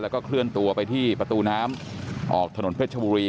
แล้วก็เคลื่อนตัวไปที่ประตูน้ำออกถนนเพชรชบุรี